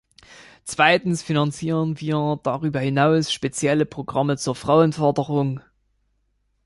Zweitens finanzieren wir darüber hinaus spezielle Programme zur Frauenförderung.